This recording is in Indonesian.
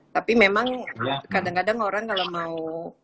tapi memang kadang kadang orang kalau mau